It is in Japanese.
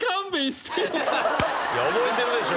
覚えてるでしょ。